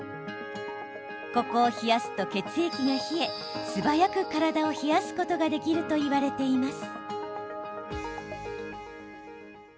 ここを冷やすと血液が冷え素早く体を冷やすことができるといわれています。